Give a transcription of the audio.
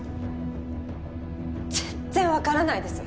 全然わからないです。